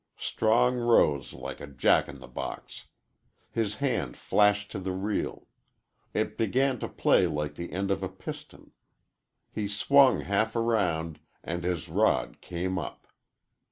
Strong rose like a jack in the box. His hand flashed to the reel. It began to play like the end of a piston. He swung half around and his rod came up.